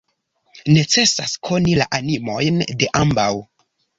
Necesas koni la animojn de ambaŭ.